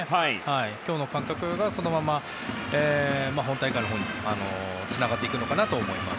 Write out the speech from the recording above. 今日の感覚がそのまま本大会のほうにつながっていくのかなと思います。